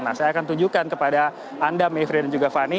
nah saya akan tunjukkan kepada anda mevri dan juga fani